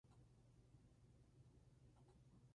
Son obra del arquitecto local Buenaventura Ferrando Castells.